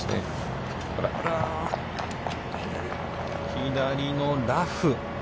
左のラフ。